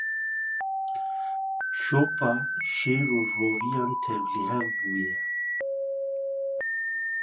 Şopa şêr û roviyan tevlihev bûye.